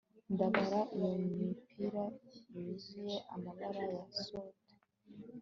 Ndabara iyo mipira yuzuye amababa ya soot